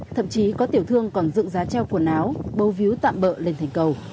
thậm chí có tiểu thương còn dựng giá treo quần áo bấu víu tạm bỡ lên thành cầu